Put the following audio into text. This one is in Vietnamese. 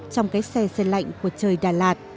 trong cái xe xe lạnh của trời đà lạt